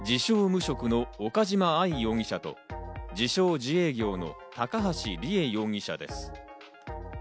無職の岡島愛容疑者と、自称・自営業の高橋里衣容疑者です。